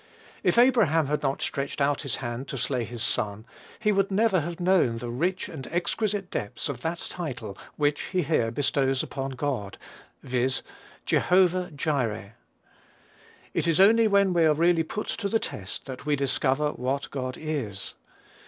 If Abraham had not stretched out his hand to slay his son, he never would have known the rich and exquisite depths of that title which he here bestows upon God, viz., "Jehovah Jireh." It is only when we are really put to the test that we discover what God is.